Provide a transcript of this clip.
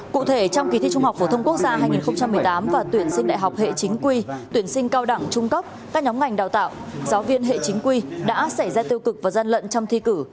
cụ thể trong kỳ thi trung học phổ thông quốc gia hai nghìn một mươi tám và tuyển sinh đại học hệ chính quy tuyển sinh cao đẳng trung cấp các nhóm ngành đào tạo giáo viên hệ chính quy đã xảy ra tiêu cực và gian lận trong thi cử